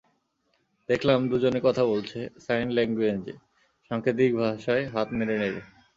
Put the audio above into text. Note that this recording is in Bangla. দেখলাম, দুজনে কথা বলছে, সাইন ল্যাঙ্গুয়েজে, সাংকেতিক ভাষায়, হাত নেড়ে নেড়ে।